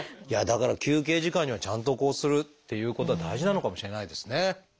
いやだから休憩時間にはちゃんとこうするっていうことは大事なのかもしれないですね。